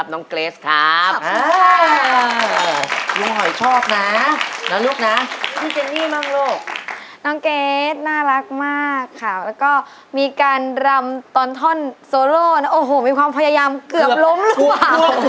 น้องเกรทน่ารักมากค่ะแล้วก็มีการรำตอนท่อนโซโลนะโอ้โหมีความพยายามเกือบล้มหรือเปล่า